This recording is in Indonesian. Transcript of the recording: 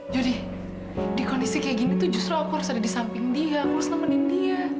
judi di kondisi kayak gini tuh justru aku harus ada di samping dia aku harus nemenin dia